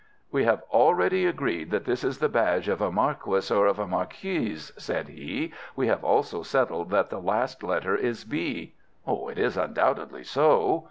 "We have already agreed that this is the badge of a marquis or of a marquise," said he. "We have also settled that the last letter is B." "It is undoubtedly so."